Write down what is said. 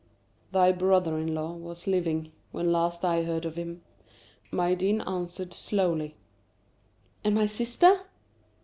"Thy brother in law was living when last I heard of him," Maïeddine answered, slowly. "And my sister?"